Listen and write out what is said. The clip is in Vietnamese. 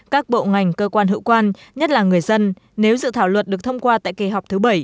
các bộ ngành cơ quan hữu quan nhất là người dân nếu dự thảo luật được thông qua tại kỳ họp thứ bảy